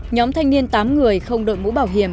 nhóm thanh niên tám người không đội mũ bảo hiểm